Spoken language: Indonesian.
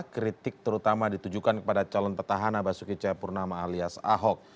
kritik terutama ditujukan kepada calon petahana basuki cahayapurnama alias ahok